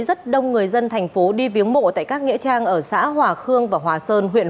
rất đông người dân thành phố đi viếng mộ tại các nghĩa trang ở xã hòa khương và hòa sơn huyện